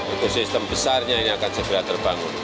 itu sistem besarnya yang akan segera terbangun